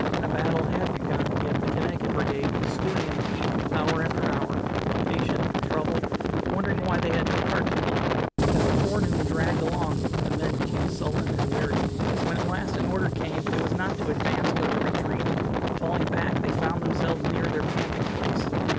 A battle had begun, yet the Connecticut Brigade was stewing in the heat hour after hour, impatient, troubled, wondering why they had no part to play. As the forenoon dragged along the men became sullen and weary. When at last an order came it was not to advance, but to retreat. Falling back, they found themselves near their camping place.